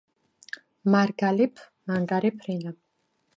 მარგალეფ მანგარეფ რენა